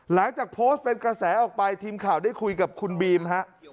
หลังจากโพสต์เป็นกระแสออกไปทีมข่าวได้คุยกับคุณบีมฮะ